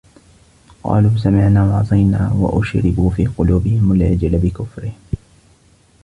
قَالُوا سَمِعْنَا وَعَصَيْنَا وَأُشْرِبُوا فِي قُلُوبِهِمُ الْعِجْلَ بِكُفْرِهِمْ